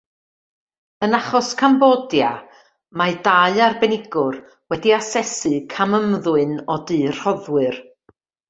Yn achos Cambodia, mae dau arbenigwr wedi asesu camymddwyn o du rhoddwyr.